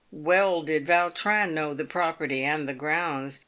"Well did Vautrin know the property and the grounds.